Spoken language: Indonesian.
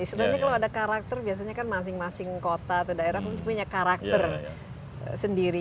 sebenarnya kalau ada karakter biasanya kan masing masing kota atau daerah punya karakter sendiri